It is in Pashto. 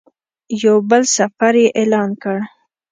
یو بل سفر یې اعلان کړ.